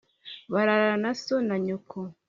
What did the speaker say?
bararana na so na nyoko